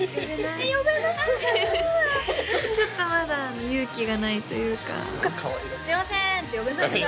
呼べないちょっとまだ勇気がないというかかわいらしい「すいません」って呼べないんだ